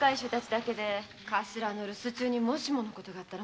カシラの留守中にもしものことがあったら。